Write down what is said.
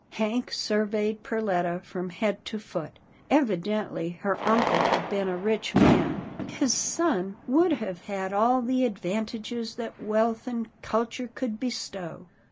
Hank surveyed Perletta from head to foot. Evi dently her uncle had been a rich man. His son would have had all the advantages that wealth and culture could bestow.